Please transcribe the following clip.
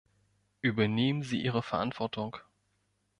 Übernehmen Sie Ihre Verantwortung.